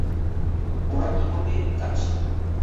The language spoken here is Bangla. ওরা কী করতে চাচ্ছে?